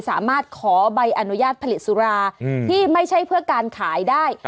สามารถขอใบอนุญาตผลิตสุราที่ไม่ใช่เพื่อการขายได้